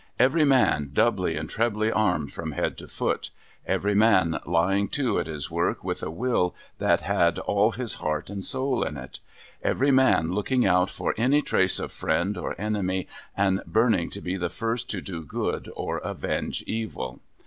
Every man doubly and trebly armed from head to foot. Every man lying to at his work, with a will that had all his heart and soul in it. Every man looking out for any trace of friend or enemy, and burning to be the first to do good or avenge evil.